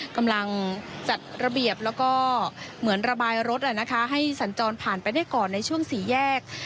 กำลังจัดระเบียบแล้วก็เหมือนระบายรถให้สัญจรผ่านไปได้ก่อนในช่วงสี่แยก